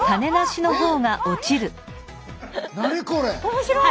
面白い！